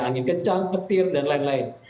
angin kencang petir dan lain lain